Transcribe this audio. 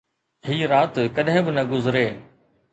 هي رات ڪڏهن به نه گذري